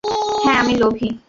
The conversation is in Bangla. হ্যাঁ, আমি লোভী।